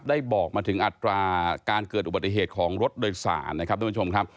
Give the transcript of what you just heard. ได้บอกมาถึงอัตราการเกิดอุบัติเหตุของรถโดยสารนะครับทุกผู้ชมครับ